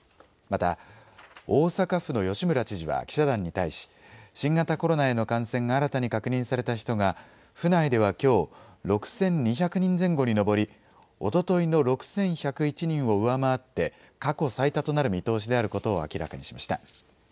また大阪府の吉村知事は記者団に対し、新型コロナへの感染が新たに確認された人が府内ではきょう、６２００人前後に上り、おとといの６１０１人を上回って過去最多となる見通しであることを明らかにしました。